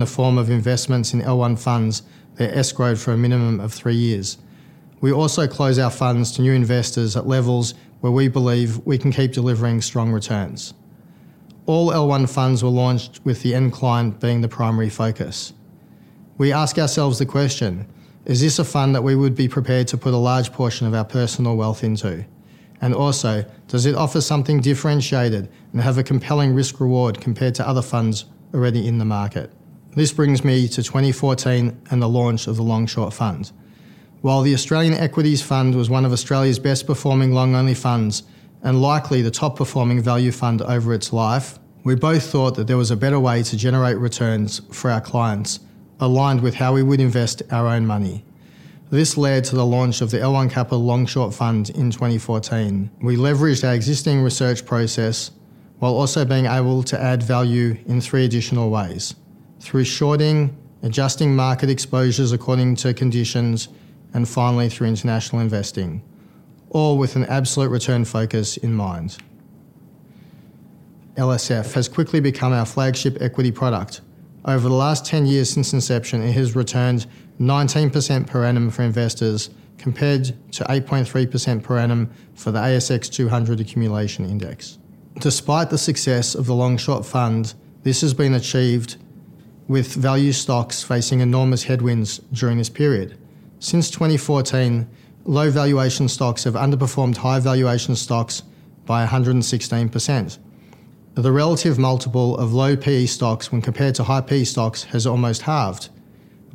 The form of investments in L1 funds that escalate for a minimum of three years. We also close our funds to new investors at levels where we believe we can keep delivering strong returns. All L1 funds were launched with the end client being the primary focus. We ask ourselves the question: Is this a fund that we would be prepared to put a large portion of our personal wealth into? And also, does it offer something differentiated and have a compelling risk-reward compared to other funds already in the market? This brings me to 2014 and the launch of the Long Short Fund. While the Australian Equities Fund was one of Australia's best-performing long-only funds and likely the top-performing value fund over its life, we both thought that there was a better way to generate returns for our clients aligned with how we would invest our own money. This led to the launch of the L1 Capital Long Short Fund in 2014. We leveraged our existing research process while also being able to add value in three additional ways: through shorting, adjusting market exposures according to conditions, and finally through international investing, all with an absolute return focus in mind. LSF has quickly become our flagship equity product. Over the last 10 years since inception, it has returned 19% per annum for investors compared to 8.3% per annum for the ASX 200 Accumulation Index. Despite the success of the Long Short Fund, this has been achieved with value stocks facing enormous headwinds during this period. Since 2014, low valuation stocks have underperformed high valuation stocks by 116%. The relative multiple of low P/E stocks when compared to high P/E stocks has almost halved.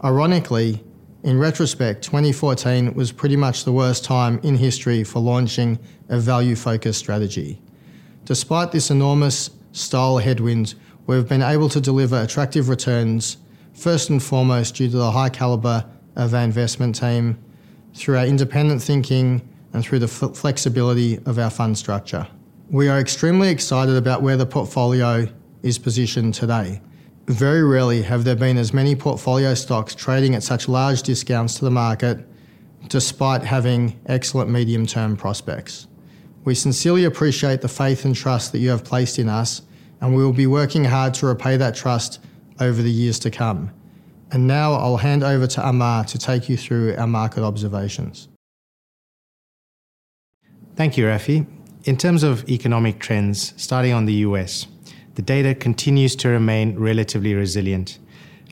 Ironically, in retrospect, 2014 was pretty much the worst time in history for launching a value-focused strategy. Despite this enormous style headwind, we've been able to deliver attractive returns, first and foremost due to the high caliber of our investment team, through our independent thinking, and through the flexibility of our fund structure. We are extremely excited about where the portfolio is positioned today. Very rarely have there been as many portfolio stocks trading at such large discounts to the market despite having excellent medium-term prospects. We sincerely appreciate the faith and trust that you have placed in us, and we will be working hard to repay that trust over the years to come. And now I'll hand over to Amar to take you through our market observations. Thank you, Rafi. In terms of economic trends, starting on the U.S., the data continues to remain relatively resilient.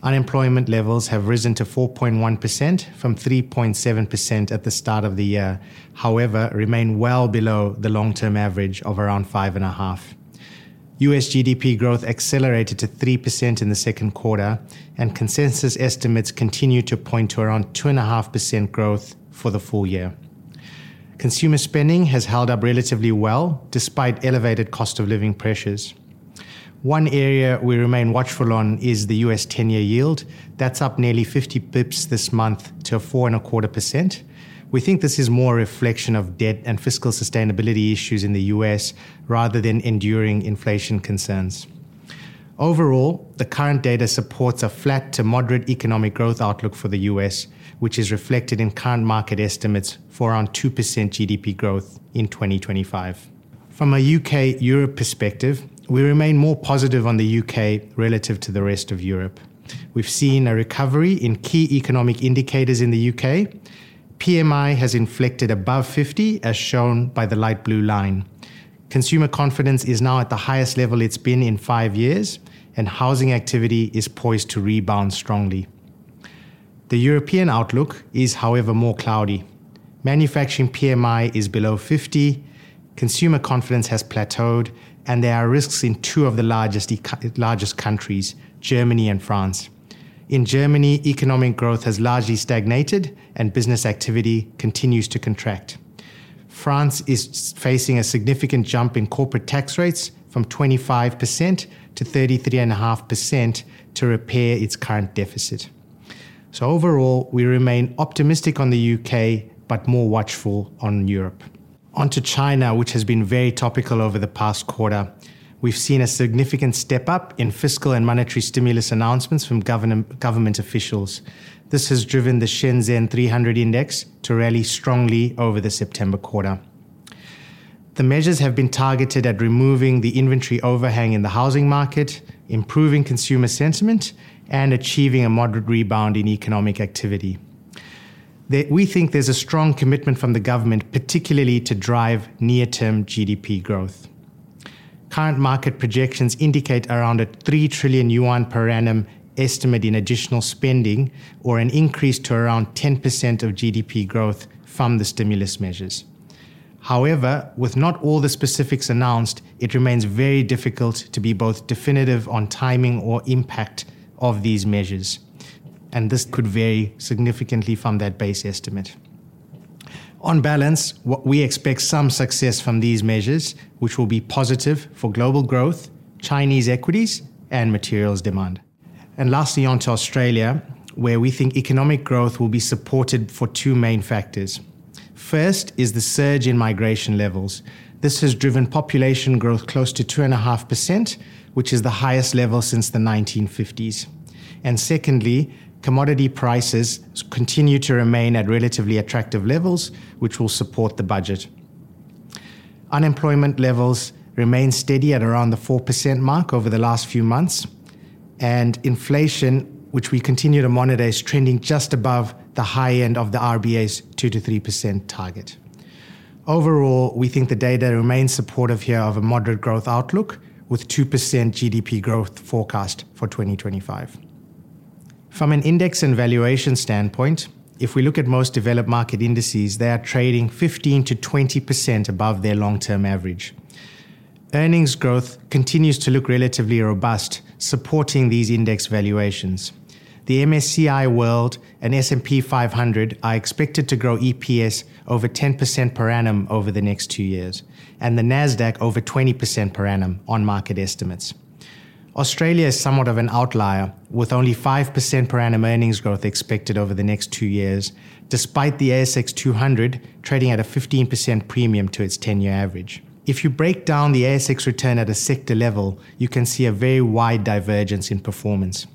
Unemployment levels have risen to 4.1% from 3.7% at the start of the year, however, remain well below the long-term average of around 5.5%. U.S. GDP growth accelerated to 3% in the second quarter, and consensus estimates continue to point to around 2.5% growth for the full year. Consumer spending has held up relatively well despite elevated cost of living pressures. One area we remain watchful on is the U.S. 10-year yield. That's up nearly 50 bips this month to 4.25%. We think this is more a reflection of debt and fiscal sustainability issues in the U.S. rather than enduring inflation concerns. Overall, the current data supports a flat to moderate economic growth outlook for the U.S., which is reflected in current market estimates for around 2% GDP growth in 2025. From a U.K.-Europe perspective, we remain more positive on the U.K. relative to the rest of Europe. We've seen a recovery in key economic indicators in the U.K. PMI has inflected above 50, as shown by the light blue line. Consumer confidence is now at the highest level it's been in five years, and housing activity is poised to rebound strongly. The European outlook is, however, more cloudy. Manufacturing PMI is below 50, consumer confidence has plateaued, and there are risks in two of the largest countries, Germany and France. In Germany, economic growth has largely stagnated, and business activity continues to contract. France is facing a significant jump in corporate tax rates from 25% to 33.5% to repair its current deficit, so overall, we remain optimistic on the U.K., but more watchful on Europe. Onto China, which has been very topical over the past quarter. We've seen a significant step up in fiscal and monetary stimulus announcements from government officials. This has driven the CSI 300 Index to rally strongly over the September quarter. The measures have been targeted at removing the inventory overhang in the housing market, improving consumer sentiment, and achieving a moderate rebound in economic activity. We think there's a strong commitment from the government, particularly to drive near-term GDP growth. Current market projections indicate around a 3 trillion yuan per annum estimate in additional spending, or an increase to around 10% of GDP growth from the stimulus measures. However, with not all the specifics announced, it remains very difficult to be both definitive on timing or impact of these measures, and this could vary significantly from that base estimate. On balance, we expect some success from these measures, which will be positive for global growth, Chinese equities, and materials demand. Lastly, onto Australia, where we think economic growth will be supported for two main factors. First is the surge in migration levels. This has driven population growth close to 2.5%, which is the highest level since the 1950s. And secondly, commodity prices continue to remain at relatively attractive levels, which will support the budget. Unemployment levels remain steady at around the 4% mark over the last few months, and inflation, which we continue to monitor, is trending just above the high end of the RBA's 2%-3% target. Overall, we think the data remains supportive here of a moderate growth outlook, with 2% GDP growth forecast for 2025. From an index and valuation standpoint, if we look at most developed market indices, they are trading 15%-20% above their long-term average. Earnings growth continues to look relatively robust, supporting these index valuations. The MSCI World and S&P 500 are expected to grow EPS over 10% per annum over the next two years, and the NASDAQ over 20% per annum on market estimates. Australia is somewhat of an outlier, with only 5% per annum earnings growth expected over the next two years, despite the ASX 200 trading at a 15% premium to its 10-year average. If you break down the ASX return at a sector level, you can see a very wide divergence in performance.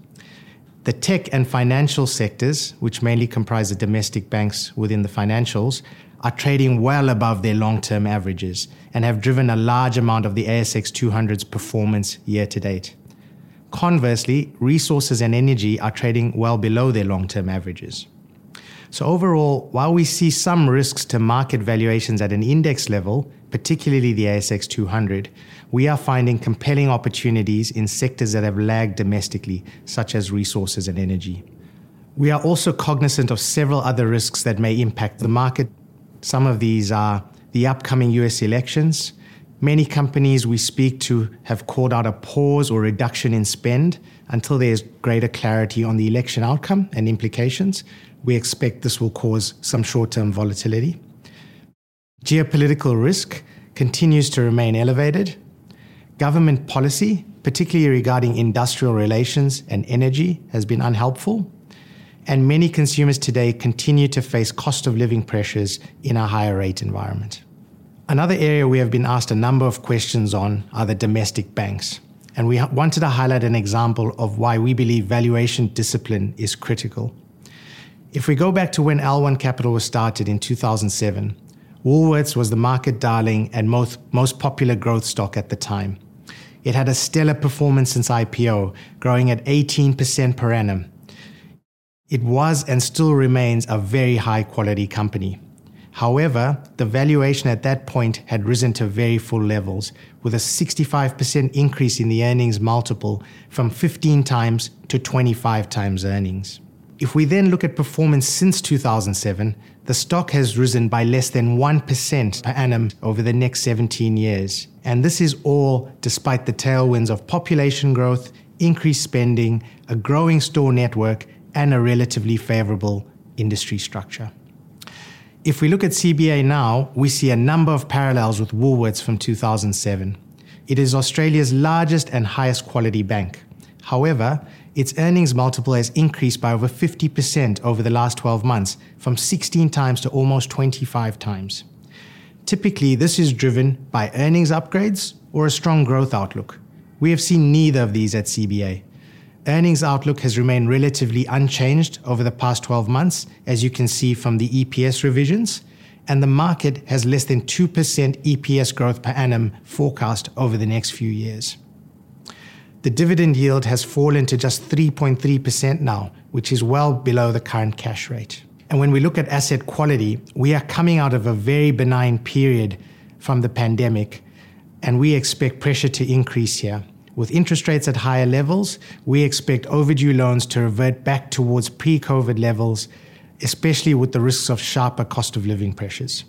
The tech and financial sectors, which mainly comprise the domestic banks within the financials, are trading well above their long-term averages and have driven a large amount of the ASX 200's performance year to date. Conversely, resources and energy are trading well below their long-term averages. Overall, while we see some risks to market valuations at an index level, particularly the ASX 200, we are finding compelling opportunities in sectors that have lagged domestically, such as resources and energy. We are also cognizant of several other risks that may impact the market. Some of these are the upcoming U.S. elections. Many companies we speak to have called out a pause or reduction in spend until there is greater clarity on the election outcome and implications. We expect this will cause some short-term volatility. Geopolitical risk continues to remain elevated. Government policy, particularly regarding industrial relations and energy, has been unhelpful, and many consumers today continue to face cost of living pressures in a higher-rate environment. Another area we have been asked a number of questions on are the domestic banks, and we wanted to highlight an example of why we believe valuation discipline is critical. If we go back to when L1 Capital was started in 2007, Woolworths was the market darling and most popular growth stock at the time. It had a stellar performance since IPO, growing at 18% per annum. It was and still remains a very high-quality company. However, the valuation at that point had risen to very full levels, with a 65% increase in the earnings multiple from 15x to 25x earnings. If we then look at performance since 2007, the stock has risen by less than 1% per annum over the next 17 years, and this is all despite the tailwinds of population growth, increased spending, a growing store network, and a relatively favorable industry structure. If we look at CBA now, we see a number of parallels with Woolworths from 2007. It is Australia's largest and highest-quality bank. However, its earnings multiple has increased by over 50% over the last 12 months, from 16x to almost 25x. Typically, this is driven by earnings upgrades or a strong growth outlook. We have seen neither of these at CBA. Earnings outlook has remained relatively unchanged over the past 12 months, as you can see from the EPS revisions, and the market has less than 2% EPS growth per annum forecast over the next few years. The dividend yield has fallen to just 3.3% now, which is well below the current cash rate. And when we look at asset quality, we are coming out of a very benign period from the pandemic, and we expect pressure to increase here. With interest rates at higher levels, we expect overdue loans to revert back towards pre-COVID levels, especially with the risks of sharper cost of living pressures.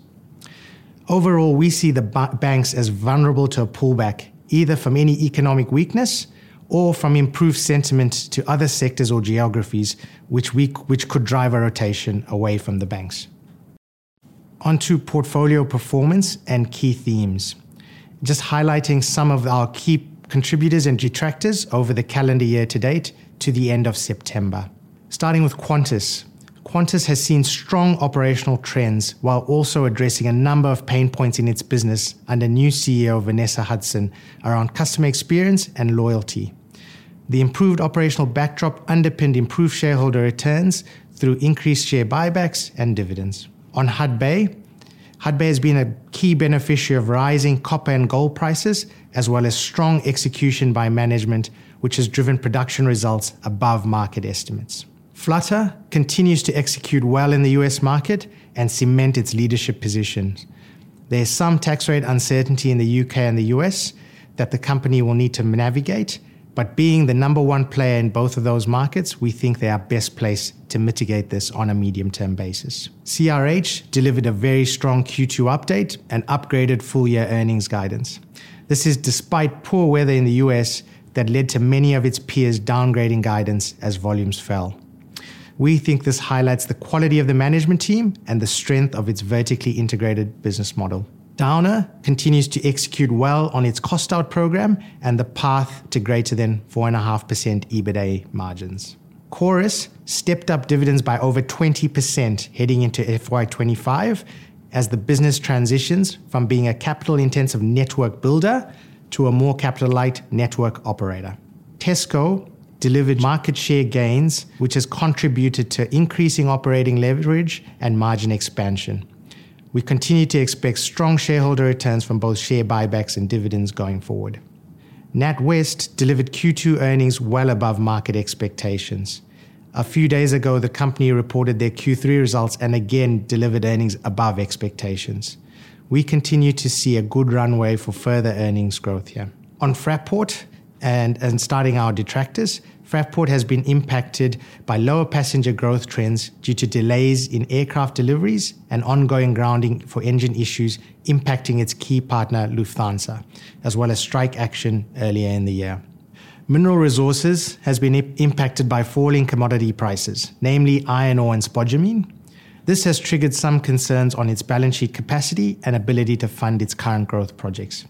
Overall, we see the banks as vulnerable to a pullback, either from any economic weakness or from improved sentiment to other sectors or geographies, which could drive a rotation away from the banks. On to portfolio performance and key themes, just highlighting some of our key contributors and detractors over the calendar year to date to the end of September. Starting with Qantas. Qantas has seen strong operational trends while also addressing a number of pain points in its business under new CEO Vanessa Hudson around customer experience and loyalty. The improved operational backdrop underpinned improved shareholder returns through increased share buybacks and dividends. On Hudbay, Hudbay has been a key beneficiary of rising copper and gold prices, as well as strong execution by management, which has driven production results above market estimates. Flutter continues to execute well in the U.S. market and cement its leadership position. There is some tax rate uncertainty in the U.K. and the U.S. that the company will need to navigate, but being the number one player in both of those markets, we think they are best placed to mitigate this on a medium-term basis. CRH delivered a very strong Q2 update and upgraded full-year earnings guidance. This is despite poor weather in the U.S. that led to many of its peers downgrading guidance as volumes fell. We think this highlights the quality of the management team and the strength of its vertically integrated business model. Downer continues to execute well on its cost-out program and the path to greater than 4.5% EBITDA margins. Chorus stepped up dividends by over 20% heading into FY 2025 as the business transitions from being a capital-intensive network builder to a more capital-light network operator. Tesco delivered market share gains, which has contributed to increasing operating leverage and margin expansion. We continue to expect strong shareholder returns from both share buybacks and dividends going forward. NatWest delivered Q2 earnings well above market expectations. A few days ago, the company reported their Q3 results and again delivered earnings above expectations. We continue to see a good runway for further earnings growth here. On Fraport and starting our detractors, Fraport has been impacted by lower passenger growth trends due to delays in aircraft deliveries and ongoing grounding for engine issues impacting its key partner, Lufthansa, as well as strike action earlier in the year. Mineral Resources has been impacted by falling commodity prices, namely iron ore and spodumene. This has triggered some concerns on its balance sheet capacity and ability to fund its current growth projects.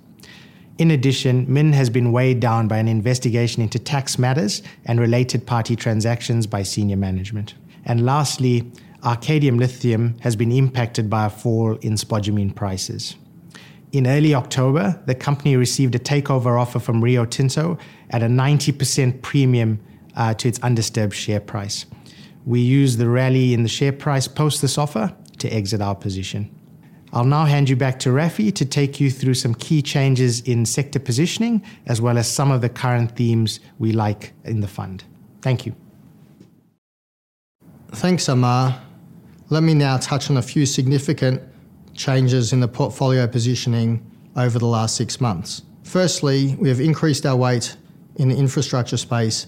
In addition, MIN has been weighed down by an investigation into tax matters and related party transactions by senior management. And lastly, Arcadium Lithium has been impacted by a fall in spodumene prices. In early October, the company received a takeover offer from Rio Tinto at a 90% premium to its undisturbed share price. We used the rally in the share price post this offer to exit our position. I'll now hand you back to Rafi to take you through some key changes in sector positioning, as well as some of the current themes we like in the fund. Thank you. Thanks, Amar. Let me now touch on a few significant changes in the portfolio positioning over the last six months. Firstly, we have increased our weight in the infrastructure space,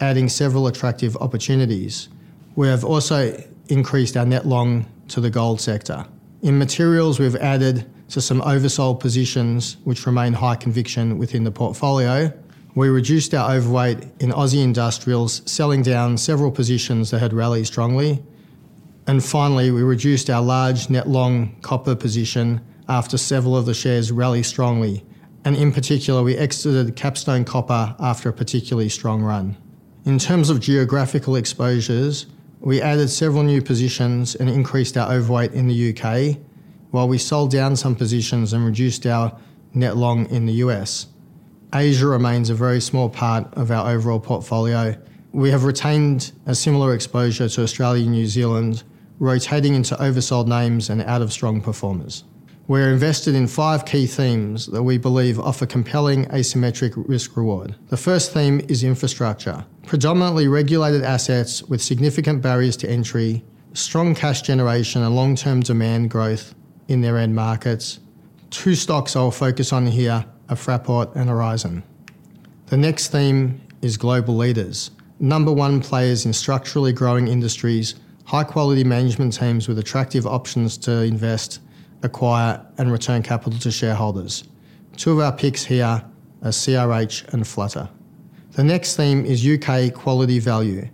adding several attractive opportunities. We have also increased our net long to the gold sector. In materials, we've added to some oversold positions, which remain high conviction within the portfolio. We reduced our overweight in Aussie industrials, selling down several positions that had rallied strongly, and finally, we reduced our large net long copper position after several of the shares rallied strongly, and in particular, we exited Capstone Copper after a particularly strong run. In terms of geographical exposures, we added several new positions and increased our overweight in the U.K., while we sold down some positions and reduced our net long in the U.S. Asia remains a very small part of our overall portfolio. We have retained a similar exposure to Australia and New Zealand, rotating into oversold names and out of strong performers. We're invested in five key themes that we believe offer compelling asymmetric risk-reward. The first theme is infrastructure. Predominantly regulated assets with significant barriers to entry, strong cash generation, and long-term demand growth in their end markets. Two stocks I'll focus on here are Fraport and Aurizon. The next theme is global leaders. Number one players in structurally growing industries, high-quality management teams with attractive options to invest, acquire, and return capital to shareholders. Two of our picks here are CRH and Flutter. The next theme is U.K. quality value.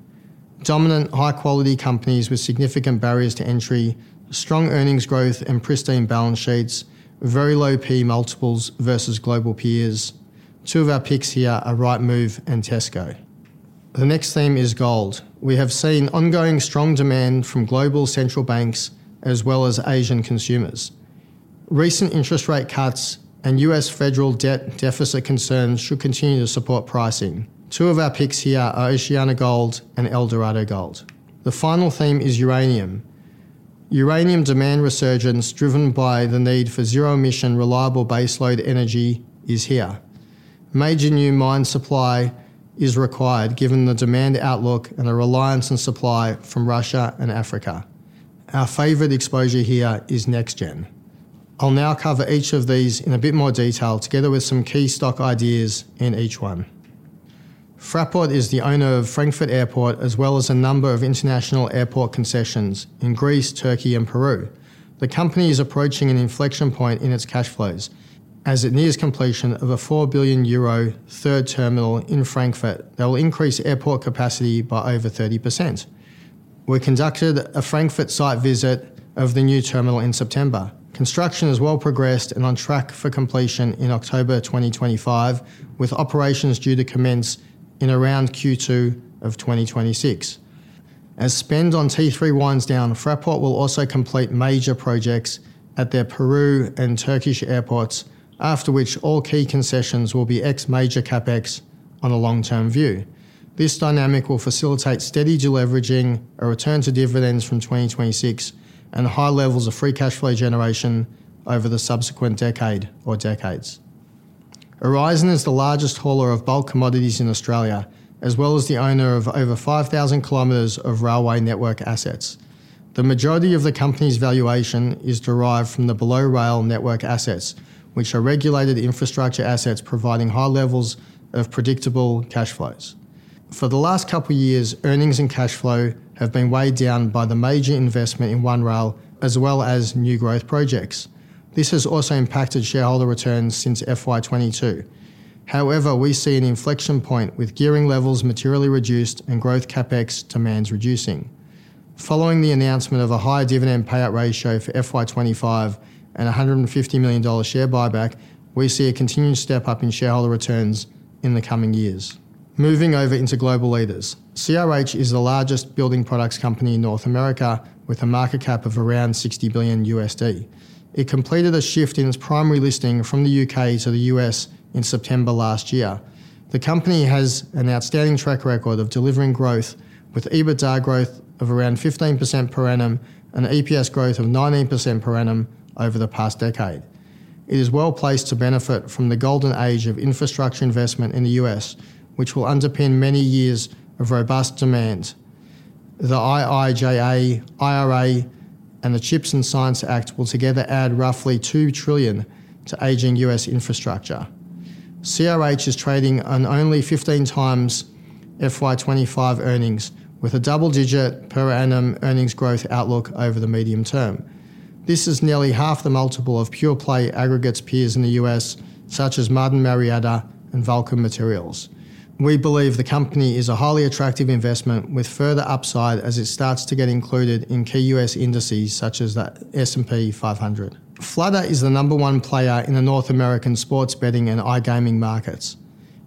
Dominant high-quality companies with significant barriers to entry, strong earnings growth, and pristine balance sheets, very low P/E multiples versus global peers. Two of our picks here are Rightmove and Tesco. The next theme is gold. We have seen ongoing strong demand from global central banks as well as Asian consumers. Recent interest rate cuts and U.S. federal debt deficit concerns should continue to support pricing. Two of our picks here are OceanaGold and Eldorado Gold. The final theme is uranium. Uranium demand resurgence driven by the need for zero-emission, reliable baseload energy is here. Major new mine supply is required given the demand outlook and a reliance on supply from Russia and Africa. Our favorite exposure here is NexGen. I'll now cover each of these in a bit more detail, together with some key stock ideas in each one. Fraport is the owner of Frankfurt Airport, as well as a number of international airport concessions in Greece, Turkey, and Peru. The company is approaching an inflection point in its cash flows as it nears completion of a 4 billion euro third terminal in Frankfurt that will increase airport capacity by over 30%. We conducted a Frankfurt site visit of the new terminal in September. Construction is well progressed and on track for completion in October 2025, with operations due to commence in around Q2 of 2026. As spend on T3 winds down, Fraport will also complete major projects at their Peru and Turkish airports, after which all key concessions will be ex-major CapEx on a long-term view. This dynamic will facilitate steady deleveraging, a return to dividends from 2026, and high levels of free cash flow generation over the subsequent decade or decades. Aurizon is the largest hauler of bulk commodities in Australia, as well as the owner of over 5,000 km of railway network assets. The majority of the company's valuation is derived from the below-rail network assets, which are regulated infrastructure assets providing high levels of predictable cash flows. For the last couple of years, earnings and cash flow have been weighed down by the major investment in One Rail, as well as new growth projects. This has also impacted shareholder returns since FY 2022. However, we see an inflection point with gearing levels materially reduced and growth CapEx demands reducing. Following the announcement of a higher dividend payout ratio for FY 2025 and a $150 million share buyback, we see a continued step up in shareholder returns in the coming years. Moving over into global leaders, CRH is the largest building products company in North America, with a market cap of around $60 billion. It completed a shift in its primary listing from the U.K. to the U.S. in September last year. The company has an outstanding track record of delivering growth, with EBITDA growth of around 15% per annum and EPS growth of 19% per annum over the past decade. It is well placed to benefit from the golden age of infrastructure investment in the U.S., which will underpin many years of robust demand. The IIJA, IRA, and the CHIPS and Science Act will together add roughly $2 trillion to aging U.S. infrastructure. CRH is trading on only 15 times FY 2025 earnings, with a double-digit per annum earnings growth outlook over the medium term. This is nearly half the multiple of pure-play aggregates peers in the U.S., such as Martin Marietta and Vulcan Materials. We believe the company is a highly attractive investment with further upside as it starts to get included in key U.S. indices such as the S&P 500. Flutter is the number one player in the North American sports betting and iGaming markets.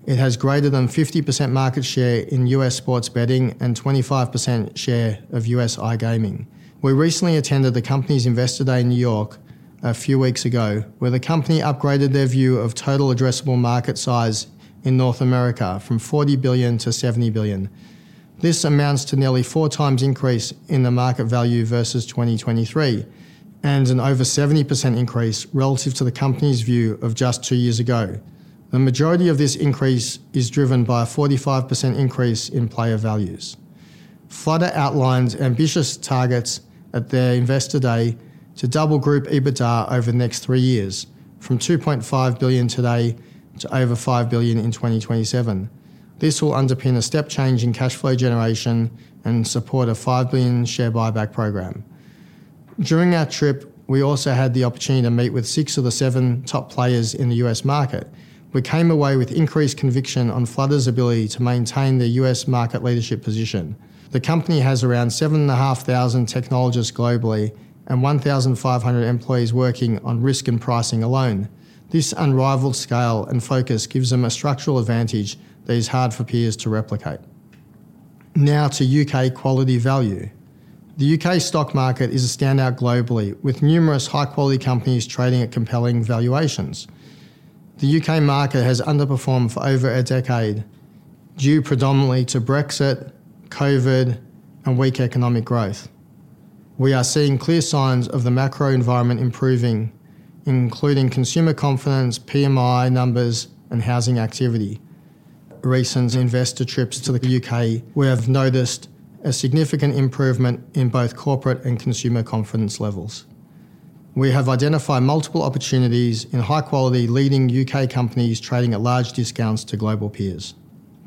It has greater than 50% market share in U.S. sports betting and 25% share of U.S. iGaming. We recently attended the company's Investor Day in New York a few weeks ago, where the company upgraded their view of total addressable market size in North America from $40 billion to $70 billion. This amounts to nearly four times increase in the market value versus 2023 and an over 70% increase relative to the company's view of just two years ago. The majority of this increase is driven by a 45% increase in player values. Flutter outlines ambitious targets at their Investor Day to double-group EBITDA over the next three years, from $2.5 billion today to over $5 billion in 2027. This will underpin a step change in cash flow generation and support a $5 billion share buyback program. During our trip, we also had the opportunity to meet with six of the seven top players in the U.S. market. We came away with increased conviction on Flutter's ability to maintain the U.S. market leadership position. The company has around 7,500 technologists globally and 1,500 employees working on risk and pricing alone. This unrivaled scale and focus gives them a structural advantage that is hard for peers to replicate. Now to U.K. quality value. The U.K. stock market is a standout globally, with numerous high-quality companies trading at compelling valuations. The U.K. market has underperformed for over a decade due predominantly to Brexit, COVID, and weak economic growth. We are seeing clear signs of the macro environment improving, including consumer confidence, PMI numbers, and housing activity. Recent investor trips to the U.K. We have noticed a significant improvement in both corporate and consumer confidence levels. We have identified multiple opportunities in high-quality leading U.K. companies trading at large discounts to global peers.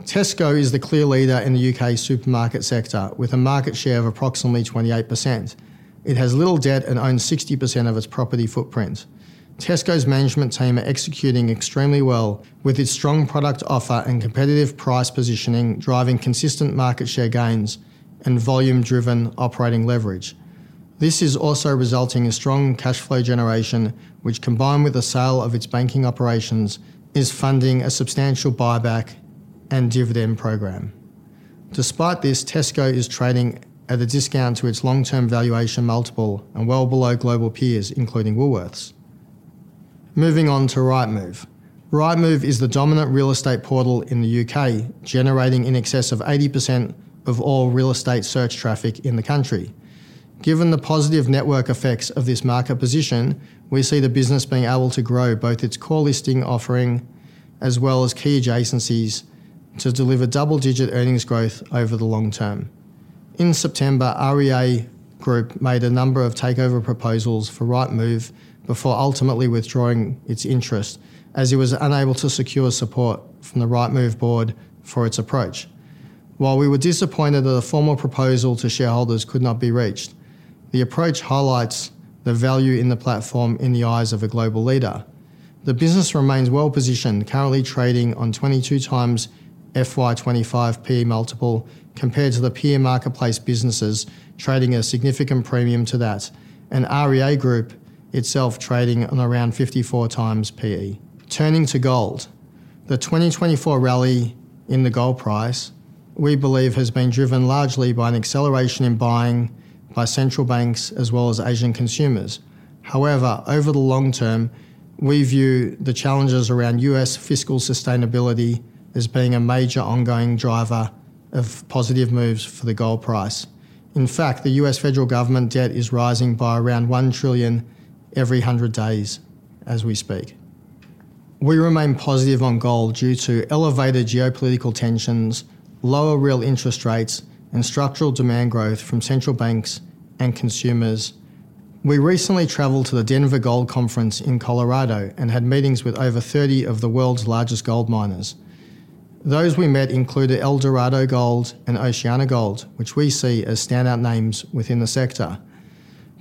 Tesco is the clear leader in the U.K. supermarket sector, with a market share of approximately 28%. It has little debt and owns 60% of its property footprint. Tesco's management team are executing extremely well, with its strong product offer and competitive price positioning driving consistent market share gains and volume-driven operating leverage. This is also resulting in strong cash flow generation, which, combined with the sale of its banking operations, is funding a substantial buyback and dividend program. Despite this, Tesco is trading at a discount to its long-term valuation multiple and well below global peers, including Woolworths. Moving on to Rightmove. Rightmove is the dominant real estate portal in the U.K., generating in excess of 80% of all real estate search traffic in the country. Given the positive network effects of this market position, we see the business being able to grow both its core listing offering as well as key adjacencies to deliver double-digit earnings growth over the long term. In September, REA Group made a number of takeover proposals for Rightmove before ultimately withdrawing its interest, as it was unable to secure support from the Rightmove board for its approach. While we were disappointed that a formal proposal to shareholders could not be reached, the approach highlights the value in the platform in the eyes of a global leader. The business remains well positioned, currently trading on 22x FY 2025 PE multiple, compared to the peer marketplace businesses trading at a significant premium to that, and REA Group itself trading on around 54x PE. Turning to gold, the 2024 rally in the gold price, we believe, has been driven largely by an acceleration in buying by central banks as well as Asian consumers. However, over the long term, we view the challenges around U.S. fiscal sustainability as being a major ongoing driver of positive moves for the gold price. In fact, the U.S. federal government debt is rising by around $1 trillion every 100 days as we speak. We remain positive on gold due to elevated geopolitical tensions, lower real interest rates, and structural demand growth from central banks and consumers. We recently traveled to the Denver Gold Conference in Colorado and had meetings with over 30 of the world's largest gold miners. Those we met included Eldorado Gold and OceanaGold, which we see as standout names within the sector.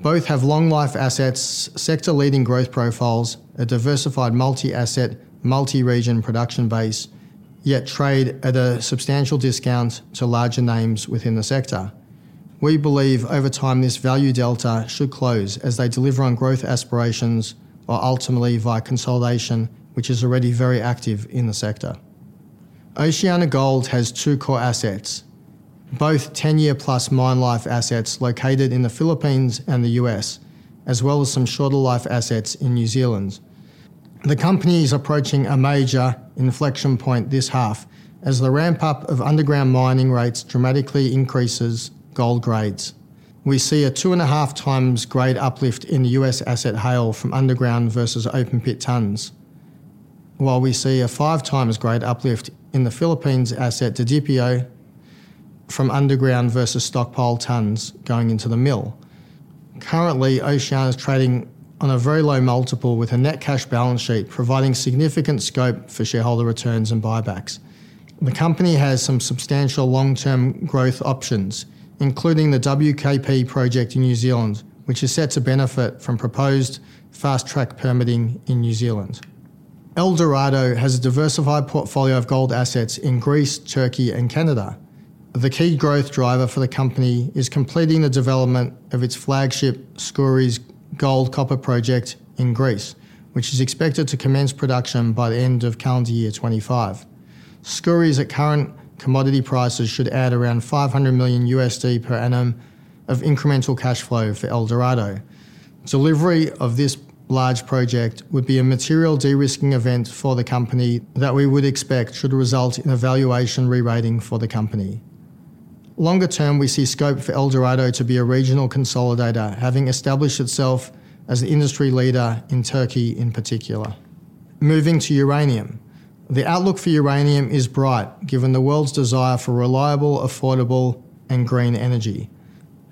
Both have long-life assets, sector-leading growth profiles, a diversified multi-asset, multi-region production base, yet trade at a substantial discount to larger names within the sector. We believe over time this value delta should close as they deliver on growth aspirations or ultimately via consolidation, which is already very active in the sector. OceanaGold has two core assets, both 10-year plus mine life assets located in the Philippines and the U.S., as well as some shorter life assets in New Zealand. The company is approaching a major inflection point this half as the ramp-up of underground mining rates dramatically increases gold grades. We see a two and a half times grade uplift in the U.S. asset Haile from underground versus open-pit tons, while we see a five times grade uplift in the Philippines asset Didipio from underground versus stockpile tons going into the mill. Currently, Oceana is trading on a very low multiple with a net cash balance sheet, providing significant scope for shareholder returns and buybacks. The company has some substantial long-term growth options, including the WKP project in New Zealand, which is set to benefit from proposed fast-track permitting in New Zealand. Eldorado has a diversified portfolio of gold assets in Greece, Turkey, and Canada. The key growth driver for the company is completing the development of its flagship Skouries gold copper project in Greece, which is expected to commence production by the end of calendar year 2025. Skouries at current commodity prices should add around $500 million per annum of incremental cash flow for Eldorado. Delivery of this large project would be a material de-risking event for the company that we would expect should result in a valuation re-rating for the company. Longer term, we see scope for Eldorado to be a regional consolidator, having established itself as an industry leader in Turkey in particular. Moving to uranium, the outlook for uranium is bright given the world's desire for reliable, affordable, and green energy.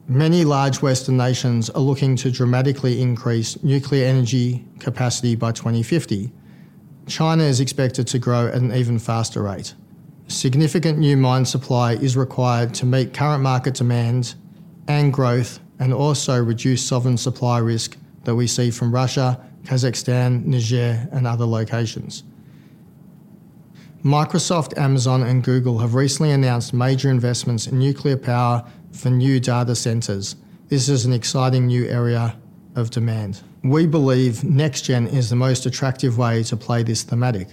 Many large western nations are looking to dramatically increase nuclear energy capacity by 2050. China is expected to grow at an even faster rate. Significant new mine supply is required to meet current market demand and growth and also reduce sovereign supply risk that we see from Russia, Kazakhstan, Niger, and other locations. Microsoft, Amazon, and Google have recently announced major investments in nuclear power for new data centers. This is an exciting new area of demand. We believe NexGen is the most attractive way to play this thematic.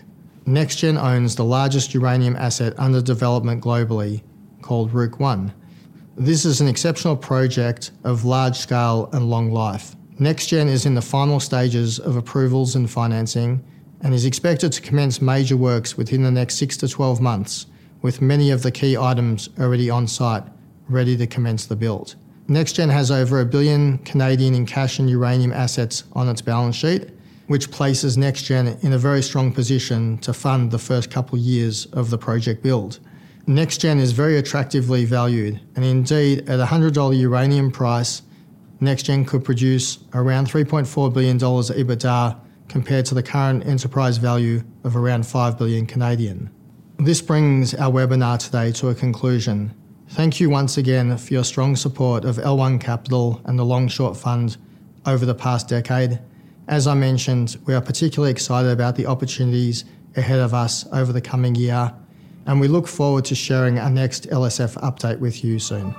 NexGen owns the largest uranium asset under development globally called Rook I. This is an exceptional project of large scale and long life. NexGen is in the final stages of approvals and financing and is expected to commence major works within the next 6-12 months, with many of the key items already on site, ready to commence the build. NexGen has over 1 billion in cash and uranium assets on its balance sheet, which places NexGen in a very strong position to fund the first couple of years of the project build. NexGen is very attractively valued, and indeed, at a $100 uranium price, NexGen could produce around $3.4 billion EBITDA compared to the current enterprise value of around 5 billion. This brings our webinar today to a conclusion. Thank you once again for your strong support of L1 Capital and the Long Short Fund over the past decade. As I mentioned, we are particularly excited about the opportunities ahead of us over the coming year, and we look forward to sharing our next LSF update with you soon.